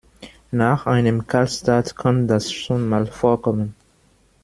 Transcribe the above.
Nach einem Kaltstart kann das schon mal vorkommen.